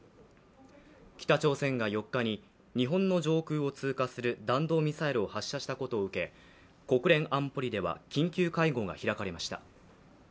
北朝鮮が４日に、日本の上空を通過する弾道ミサイルを発射したことを受け国連安保理では緊急会合が開かれました。